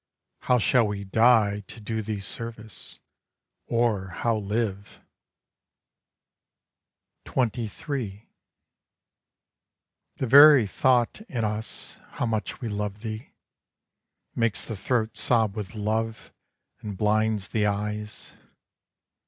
How shall we die to do thee service, or how live? 23 The very thought in us how much we love thee Makes the throat sob with love and blinds the eyes.